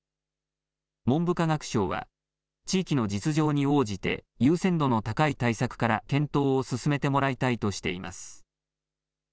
文部科学省は地域の実情に応じて優先度の高い対策から検討を進めてもらいたいとしています。